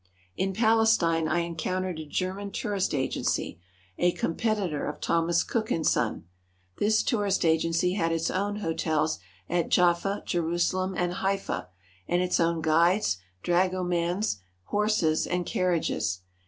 In Palestine I encountered a German tourist agency, a competitor of Thomas Cook & Son. This tourist agency had its own hotels at Jaffa, Jerusalem, and Haifa, and its own guides, dragomans, horses, and carriages.